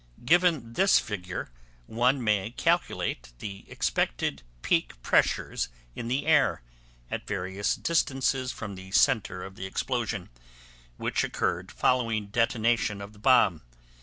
Given this figure, one may calculate the expected peak pressures in the air, at various distances from the center of the explosion, which occurred following detonation of the bomb.